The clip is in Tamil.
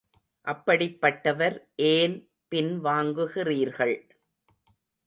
அப்படிப்பட்டவர் ஏன் பின் வாங்குகிறீர்கள்.